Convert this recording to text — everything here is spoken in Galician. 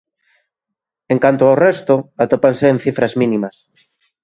En canto ao resto, atópanse en cifras mínimas.